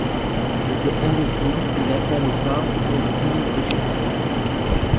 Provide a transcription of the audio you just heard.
C’était imbécile, il hâta le pas pour ne point y céder.